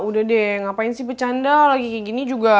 udah deh ngapain sih bercanda lagi kayak gini juga